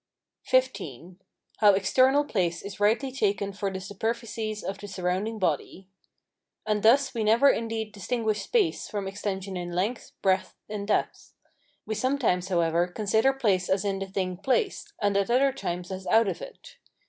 XV. How external place is rightly taken for the superficies of the surrounding body. And thus we never indeed distinguish space from extension in length, breadth, and depth; we sometimes, however, consider place as in the thing placed, and at other times as out of it.